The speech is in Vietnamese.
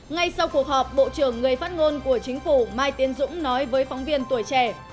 ngay sau cuộc họp bộ trưởng người phát ngôn của chính phủ mai tiến dũng nói với phóng viên tuổi trẻ